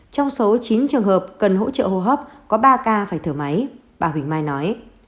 trong số chín trường hợp cần hỗ trợ hô hấp có ba ca phải thở máy bà huỳnh mai nói